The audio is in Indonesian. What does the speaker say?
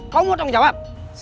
kamu mau tahu ngejawab